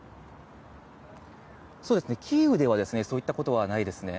キーウではそういったことはないですね。